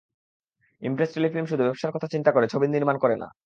Impress Telefilm শুধু ব্যবসার কথা চিন্তা করে ছবি নির্মাণ করে না।